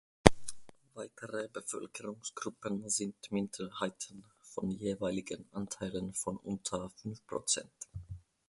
Weitere Bevölkerungsgruppen sind Minderheiten von jeweiligen Anteilen von unter fünf Prozent.